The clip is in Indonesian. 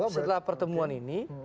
setelah pertemuan ini